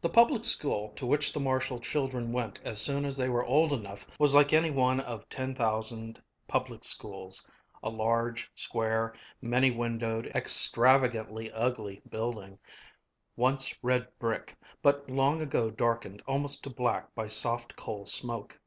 The public school to which the Marshall children went as soon as they were old enough was like any one of ten thousand public schools a large, square, many windowed, extravagantly ugly building, once red brick, but long ago darkened almost to black by soft coal smoke.